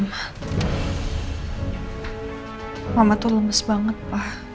mama tuh lemes banget pak